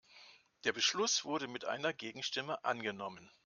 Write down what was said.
Der Beschluss wurde mit einer Gegenstimme angenommen.